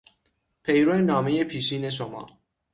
پیرو نامهی پیشین شما